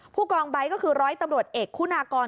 ผู้กองไบท์ก็คือร้อยตำรวจเอกคุณากร